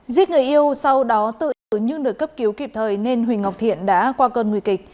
giết người yêu sau đó tự tử nhưng được cấp cứu kịp thời nên huỳnh ngọc thiện đã qua cơn nguy kịch